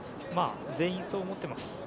全員そう思っています。